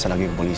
beritahu ke rumah